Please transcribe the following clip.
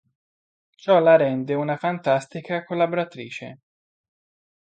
Ciò la rende una fantastica collaboratrice".